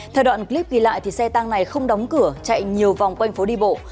theo đoạn clip ghi lại xe tang này không đóng cửa chạy nhiều vòng quanh phố đi bộ